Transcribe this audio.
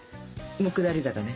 下り坂ね。